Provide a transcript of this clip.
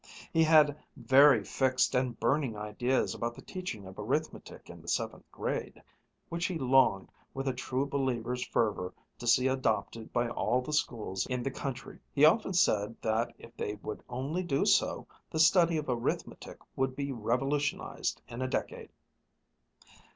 He had very fixed and burning ideas about the teaching of arithmetic in the seventh grade, which he longed with a true believer's fervor to see adopted by all the schools in the country. He often said that if they would only do so, the study of arithmetic would be revolutionized in a decade.